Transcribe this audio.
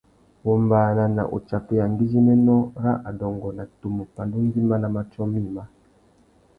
Wombāna na utsakeya ngüidjiménô râ adôngô na tumu pandú ngüima na matiō mïmá.